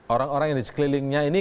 orang orang yang di sekelilingnya ini